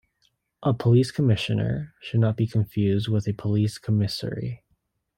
A police commissioner should not be confused with a police commissary.